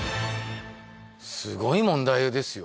すごい問題ですよ